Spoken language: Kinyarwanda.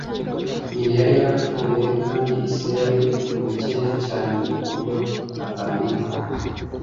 Nyina yari yarapfuye kandi se yari umukene cyane ku buryo atamwitaho.